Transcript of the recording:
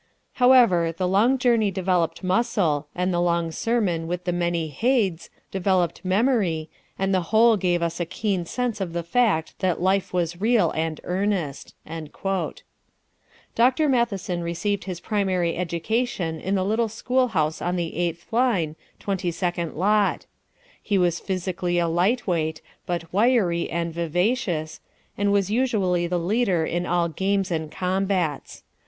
However, the long journey developed muscle, and the long sermon with the many 'heids' developed memory, and the whole gave us a keen sense of the fact that life was real and earnest." Dr. Matheson received his primary education in the little school house on the 8th line, 22nd lot. He was physically a light weight, but wiry and vivacious, and was usually the leader in all games and combats.